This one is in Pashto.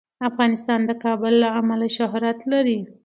افغانستان د کابل له امله شهرت لري.